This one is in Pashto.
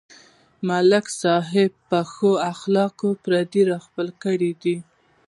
ملک صاحب په ښو اخلاقو پردي راخپل کړي دي.